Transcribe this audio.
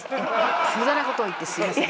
無駄な事を言ってすいません。